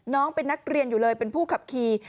น้องเป็นนักเรียนอยู่เลยเป็นผู้ขับขี่